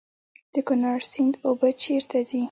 د کونړ سیند اوبه چیرته ځي؟